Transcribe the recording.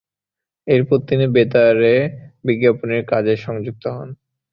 এরপর তিনি বেতারে বিজ্ঞাপনের কাজে সংযুক্ত হন।